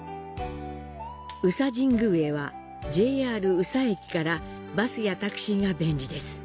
宇佐神宮へは、ＪＲ宇佐駅からバスやタクシーが便利です。